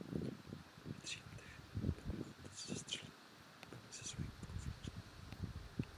Ve tří letech byl jeho otec zastřelen a byly se svoji matkou finančně nadně.